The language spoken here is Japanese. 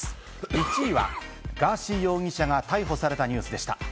１位はガーシー容疑者が逮捕されたニュースでした。